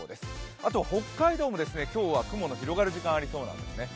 あと北海道も今日は雲の広がる時間がありそうです。